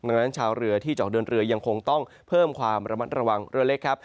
ดังนั้นชาวเรือที่จะออกเดินเรือยังคงต้องเพิ่มความระมัดระวังเรือเล็กครับ